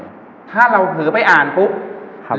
บ๊วยบ๊วยถ้าเราเผื่อไปอ่านปุ๊บ